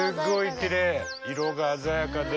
色が鮮やかで。